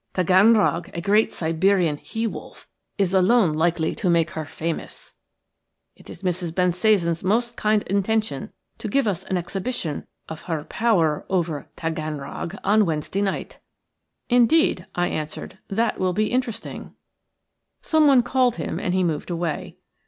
Taganrog, a great Siberian he wolf, is alone likely to make her famous. It is Mrs. Bensasan's most kind intention to give us an exhibition of her power over Taganrog on Wednesday night." "Indeed," I answered, "that will be interesting." Someone called him and he moved away.